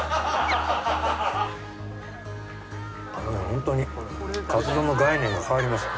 ホントにかつ丼の概念が変わりますよ